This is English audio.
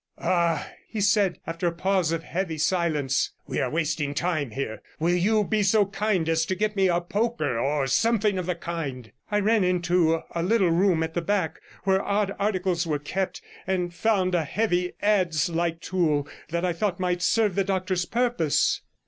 'Ah!' he said, after a pause of heavy silence, 'we are wasting time here. Will you be so kind as to get me a poker, or something of the kind?' I ran into a little room at the back where odd articles were kept, and found a heavy adze like tool that I thought might serve the doctor's purpose.